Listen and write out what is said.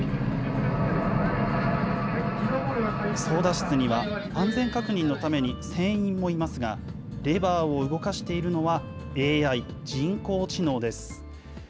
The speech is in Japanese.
操だ室には安全確認のために船員もいますが、レバーを動かしているのは、ＡＩ・人工知能です。